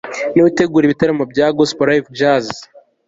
ni we utegura ibitaramo bya ''gospel live jazz